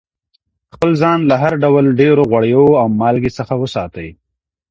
خپل ځان له هر ډول ډېرو غوړیو او مالګي څخه وساتئ.